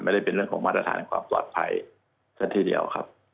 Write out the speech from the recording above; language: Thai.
ไม่ได้เป็นเรื่องของมาตรฐานความสอดภัยทั้งที่เดียว